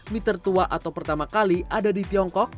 mie tertua atau pertama kali ada di tiongkok